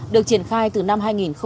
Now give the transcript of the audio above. được triển khai từ năm hai nghìn một mươi